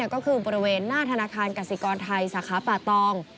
ก็คือบริเวณหน้าธนาคารกสิกรไทยสาขาป่าตอง